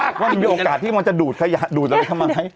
ว่ามันมีโอกาสที่มันจะดูดดูดอะไรข้ะไม๊